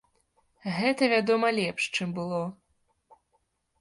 Гэта, вядома, лепш, чым было.